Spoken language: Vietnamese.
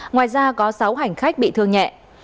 ngoài ra có sáu hành khách bị thương nhẹ